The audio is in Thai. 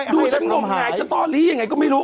ดูฉันง่มใหงจะต่อหลีอย่างไรก็ไม่รู้